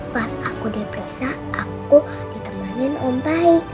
pas aku diperiksa aku ditemani om baik